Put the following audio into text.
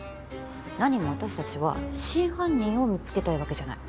なにも私たちは真犯人を見つけたいわけじゃない。